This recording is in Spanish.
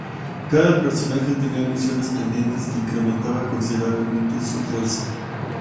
Cada personaje tenía misiones pendientes que incrementaba considerablemente su fuerza.